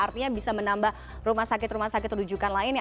artinya bisa menambah rumah sakit rumah sakit terujukan lainnya